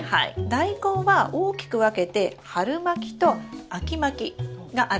ダイコンは大きく分けて春まきと秋まきがあるんです。